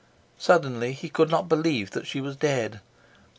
Suddenly he could not believe that she was dead.